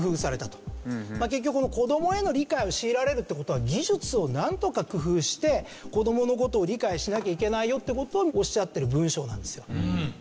結局「子どもへの理解を強いられる」って事は技術をなんとか工夫して子どもの事を理解しなきゃいけないよって事をおっしゃってる文章なんですよ。